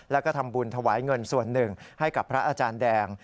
แล้วก็ทำบุญถวายเงินส่วนหนึ่งให้กับพระอาจารย์แดง